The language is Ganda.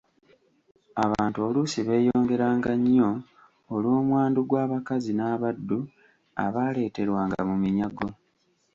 Abantu oluusi beeyongeranga nnyo olw'omwandu gw'abakazi n'abaddu abaaleeterwanga mu minyago.